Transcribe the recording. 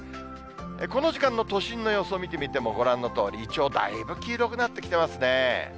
この時間の都心の様子を見てみてもご覧のとおり、イチョウ、だいぶ黄色くなってきてますね。